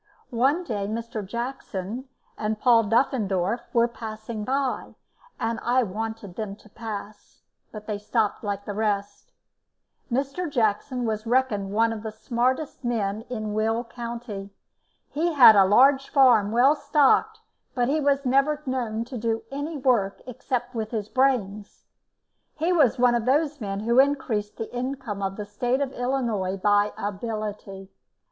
One day Mr. Jackson and Paul Duffendorff were passing by, and I wanted them to pass, but they stopped like the rest. Mr. Jackson was reckoned one of the smartest men in Will county. He had a large farm, well stocked, but he was never known to do any work except with his brains. He was one of those men who increased the income of the State of Illinois by ability.